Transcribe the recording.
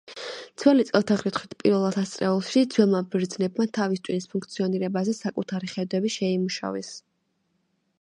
ძველი წელთაღრიცხვით პირველ ათასწლეულში ძველმა ბერძნებმა თავის ტვინის ფუნქციონირებაზე საკუთარი ხედვები შეიმუშავეს.